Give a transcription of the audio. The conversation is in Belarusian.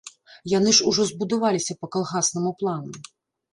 Яны ж ужо забудаваліся па калгаснаму плану.